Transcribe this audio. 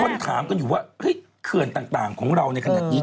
คนถามกันอยู่ว่าเฮ้ยเครื่องต่างของเราในขณะนี้